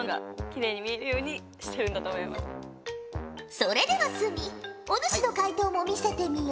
それでは角お主の解答も見せてみよ。